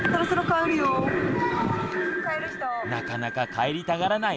なかなか帰りたがらないはるあくん。